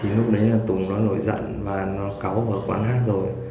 lúc đấy là tùng nó nổi giận và nó cáu vào quán hát rồi